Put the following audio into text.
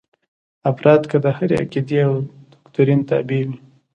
افراد که د هرې عقیدې او دوکتورین تابع وي.